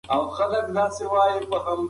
که چېرې تاسو تږی یاست، نو پاکې اوبه وڅښئ.